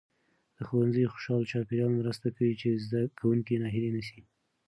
د ښوونځي خوشال چاپیریال مرسته کوي چې زده کوونکي ناهیلي نسي.